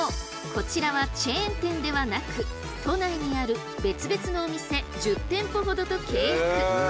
こちらはチェーン店ではなく都内にある別々のお店１０店舗ほどと契約。